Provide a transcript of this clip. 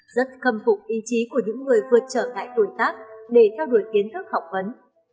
rất khâm phục ý chí của những người vượt trở ngại tuổi tác để theo đuổi kiến thức học vấn